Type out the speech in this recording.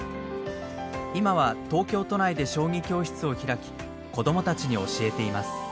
今は東京都内で将棋教室を開き子供たちに教えています。